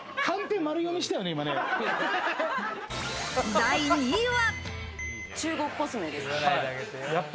第２位は。